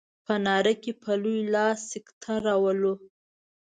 په ناره کې په لوی لاس سکته راولو.